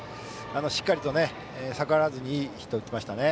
しっかりと逆らわずにいいヒットを打ちましたね。